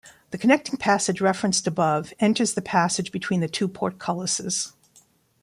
The connecting passage referenced above enters the passage between the two portcullises.